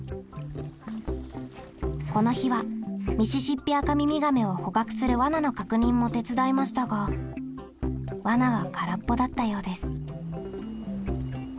この日はミシシッピアカミミガメを捕獲する罠の確認も手伝いましたが罠は空っぽだったようです。